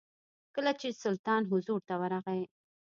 کله چې د سلطان حضور ته ورغی.